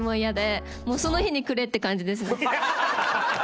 もうその日にくれって感じですね。